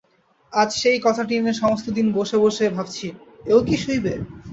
আজ সেই কথাটা নিয়ে সমস্ত দিন বসে বসে ভাবছি, এও কি সইবে?